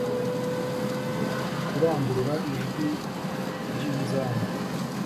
kurangurura ijwi ryinzamba.